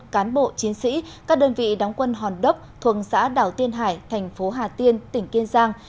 cán bộ chiến sĩ các đơn vị đóng quân hòn đốc thuận xã đảo tiên hải thành phố hà tiên tỉnh kiên giang